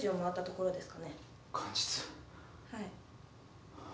はい。